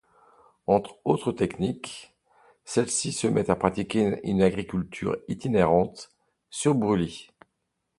Entre autres techniques, celle-ci se met à pratiquer une agriculture itinérante sur brûlis.